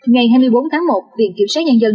ngày hai mươi bốn tháng một viện kiểm sát nhân dân